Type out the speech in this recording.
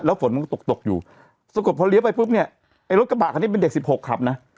ฝนมันก็ตกตกอยู่ปรากฏพอเลี้ยวไปปุ๊บเนี่ยไอ้รถกระบะคันนี้เป็นเด็กสิบหกขับนะ